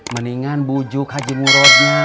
mendingan bujuk haji murad atubeh